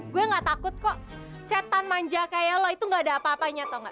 gue nggak takut kok setan manja kayak lo itu nggak ada apa apanya tau nggak